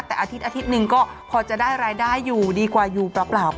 แต่อาทิตยอาทิตย์หนึ่งก็พอจะได้รายได้อยู่ดีกว่าอยู่เปล่า